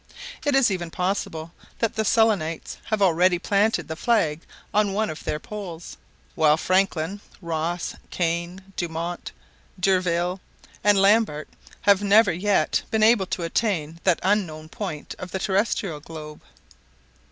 It is even possible that the Selenites have already planted the flag on one of their poles, while Franklin, Ross, Kane, Dumont, d'Urville, and Lambert have never yet been able to attain that unknown point of the terrestrial globe.